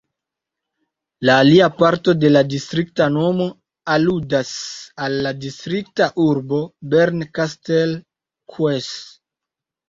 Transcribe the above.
La alia parto de la distrikta nomo aludas al la distrikta urbo Bernkastel-Kues.